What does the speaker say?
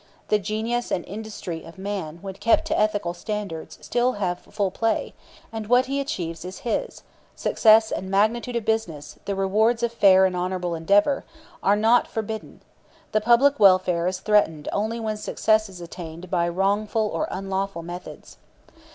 . the genius and industry of man when kept to ethical standards still have full play, and what he achieves is his ... success and magnitude of business, the rewards of fair and honorable endeavor [are not forbidden] ... [the public welfare is threatened only when success is attained] by wrongful or unlawful methods."